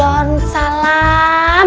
salam salam salam